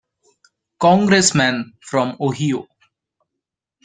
Congressman from Ohio.